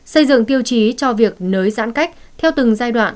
xây dựng tiêu chí cho việc nới giãn cách theo từng giai đoạn